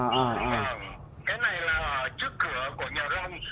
cái này là trước cửa của nhà rông